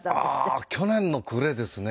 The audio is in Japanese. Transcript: ああ去年の暮れですね